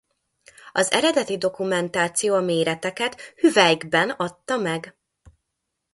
Az eredeti dokumentáció a méreteket hüvelykben adta meg.